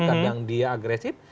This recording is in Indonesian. kadang dia agresif